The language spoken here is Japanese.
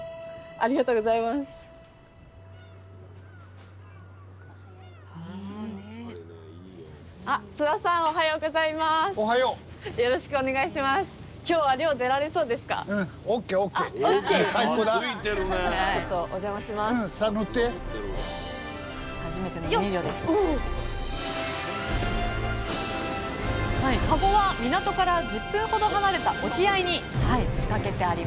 かごは港から１０分ほど離れた沖合に仕掛けてあります